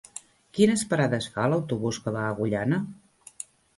Quines parades fa l'autobús que va a Agullana?